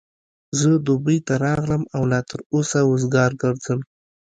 زه دبۍ ته راغلم او لا تر اوسه وزګار ګرځم.